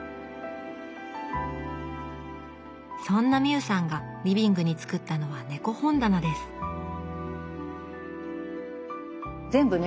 そんな美雨さんがリビングに作ったのは猫本棚です全部猫？